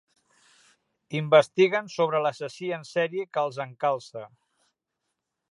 Investiguen sobre l'assassí en sèrie que els encalça.